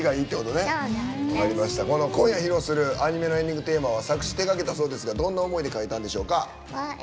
今夜、披露するアニメのエンディングテーマは作詞を手がけたそうですがどんな思いで書いたんでしょうか？